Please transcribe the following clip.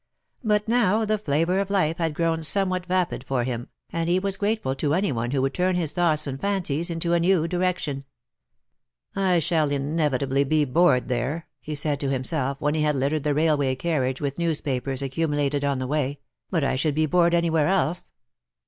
But now the flavour of life had grown somewhat vapid for him, and he was grateful to any one who would turn his thoughts and fancies into a new direction, " I shall inevitably be bored there,''^ he said to himself, when he had littered the railway carriage with newspapers accumulated on the way, ^' but I should be bored anywhere else.